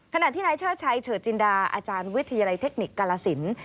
ขณะที่นายเชิดชัยเฉิดจินดาอาจารย์วิทยาลัยเทคนิคกาลสิน